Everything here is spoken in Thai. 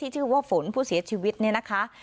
ชื่อว่าฝนผู้เสียชีวิตเนี่ยนะคะ